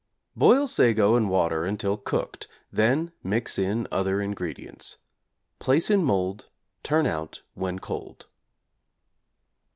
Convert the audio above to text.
Boil sago in water until cooked, then mix in other ingredients. Place in mould, turn out when cold.